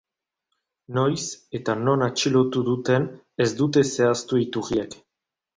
Noiz eta non atxilotu duten ez dute zehaztu iturriek.